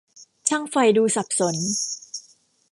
ช่างไฟดูสับสน